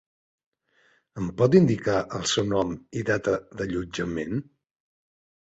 Em pot indicar el seu nom i data d'allotjament?